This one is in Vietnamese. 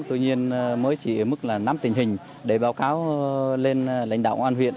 tuy nhiên mới chỉ ở mức là năm tình hình để báo cáo lên lãnh đạo an huyện